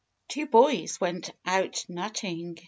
T WO boys went ont nutting.